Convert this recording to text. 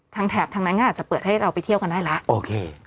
แถบทางนั้นก็อาจจะเปิดให้เราไปเที่ยวกันได้แล้วโอเค